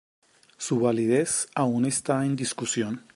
Su validez aún está en discusión.